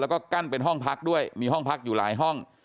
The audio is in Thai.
แล้วก็กั้นเป็นห้องพักด้วยมีห้องพักอยู่หลายห้อง